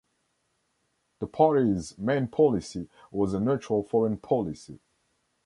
The party's main policy was a neutral foreign policy.